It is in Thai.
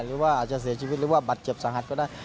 หรือว่าอาจจะเสียชีวิตหรือว่าบัตรเจ็บสาหัสก็ได้